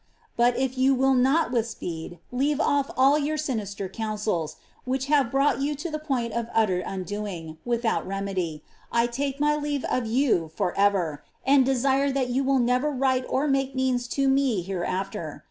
But if you will not with speed leave off all your sinister counsels, which have brought you to the point of utter undoing, without remedy, I take my leave of you for ever, and desire that you will never write or make means to me here after.